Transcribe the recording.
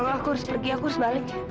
aku harus pergi aku balik